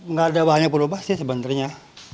nggak ada banyak berubah sih sebenarnya